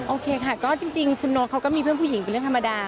โอเคค่ะก็จริงคุณโน๊ตเขาก็มีเพื่อนผู้หญิงเป็นเรื่องธรรมดา